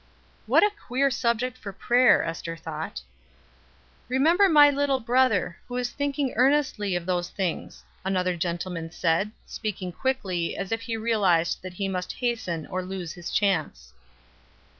"What a queer subject for prayer," Ester thought. "Remember my little brother, who is thinking earnestly of those things," another gentleman said, speaking quickly, as if he realized that he must hasten or lose his chance.